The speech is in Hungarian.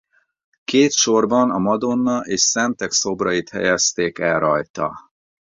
Két sorban a Madonna és szentek szobrait helyezték el rajta.